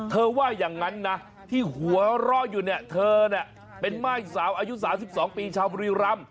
ว่าอย่างนั้นนะที่หัวเราะอยู่เนี่ยเธอเนี่ยเป็นม่ายสาวอายุ๓๒ปีชาวบุรีรำ